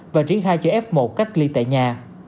và triển khai cho f một cách ly tại nhà